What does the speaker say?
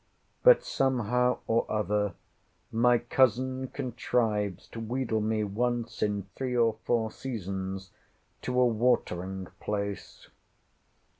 But somehow or other my cousin contrives to wheedle me once in three or four seasons to a watering place.